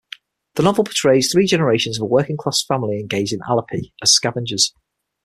The novel portrays three generations of a working-class family engaged in Alleppey as scavengers.